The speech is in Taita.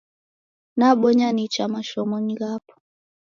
Nabonya nicha mashomonyi ghapo.